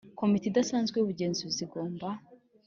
Komite idasanzwe y ubugenzuzi igomba